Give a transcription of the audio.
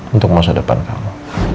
untuk masa depan kamu